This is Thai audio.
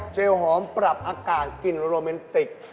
หอมปรับอากาศกลิ่นโรแมนติก